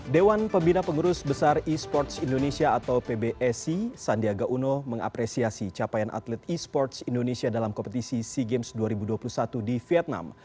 dewan pembina pengurus besar e sports indonesia atau pbsi sandiaga uno mengapresiasi capaian atlet e sports indonesia dalam kompetisi sea games dua ribu dua puluh satu di vietnam